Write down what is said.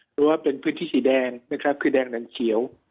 หรือว่าเป็นพื้นที่สีแดงคือแดงดันเขียว